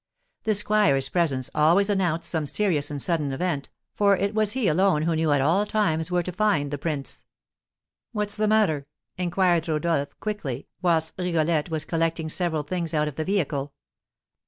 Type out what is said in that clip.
The squire's presence always announced some serious and sudden event, for it was he alone who knew at all times where to find the prince. "What's the matter?" inquired Rodolph, quickly, whilst Rigolette was collecting several things out of the vehicle.